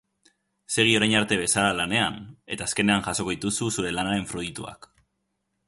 Segi orain arte bezala lanean, eta azkenean jasoko dituzu zure lanaren fruituak.